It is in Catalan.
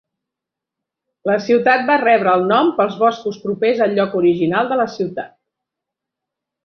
La ciutat va rebre el nom pels boscos propers al lloc original de la ciutat.